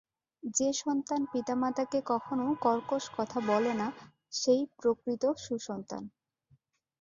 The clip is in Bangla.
যে সন্তান পিতামাতাকে কখনও কর্কশ কথা বলে না, সেই প্রকৃত সুসন্তান।